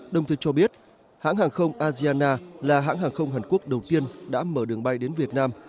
đồng thời cho biết hãng hàng không aziana là hãng hàng không hàn quốc đầu tiên đã mở đường bay đến việt nam